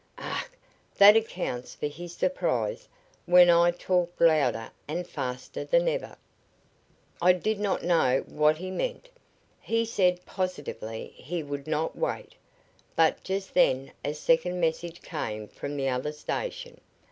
"Ach, that accounts for his surprise when I talked louder and faster than ever. I did not know what he meant. He said positively he would not wait, but just then a second message came from the other station.